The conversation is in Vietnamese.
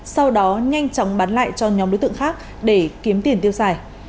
sau đó nhanh chóng bán lại cho nhóm đối tượng khác để kiếm tiền tiêu xài